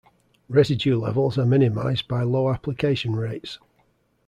Residue levels are minimized by low application rates.